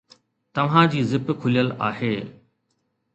توهان جي زپ کليل آهي